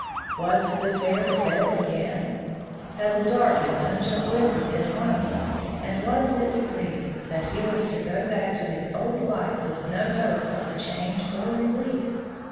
Was his affair to fail again? Had the dark and pungent liquor been harmless, and was it decreed that he was to go back to the old life with no hopes of a change or relief?